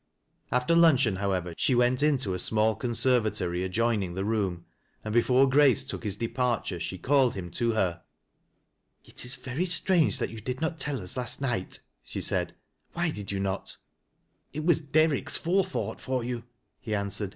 After luncheon, however, she ^ent into a small conservatory adjoining the room, and before Grace took his departure, she called him to her. " It is very strange that you did not tell us last night," she said ;" why did you not ?"" It was Derrick's forethought for you," he answered.